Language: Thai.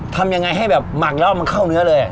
ทำยังไงให้แบบหมักแล้วมันเข้าเนื้อเลย